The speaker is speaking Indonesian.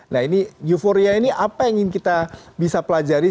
nah ini euforia ini apa yang ingin kita bisa pelajari